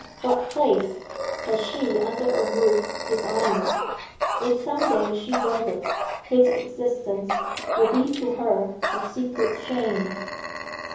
What place had she under a roof dishonoured? If some day she wedded, his existence would be to her a secret shame.